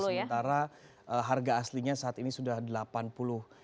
sementara harga aslinya saat ini sudah delapan puluh dolar